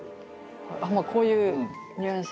まあこういうニュアンスで。